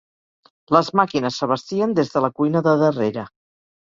Les màquines s'abastien des de la cuina de darrere.